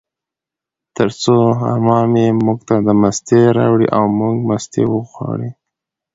ترڅو عمه مې موږ ته مستې راوړې، او موږ مستې وخوړې